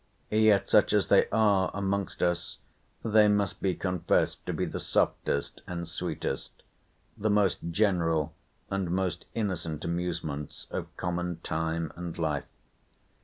Yet, such as they are amongst us, they must be confessed to be the softest and sweetest, the most general and most innocent amusements of common time and life.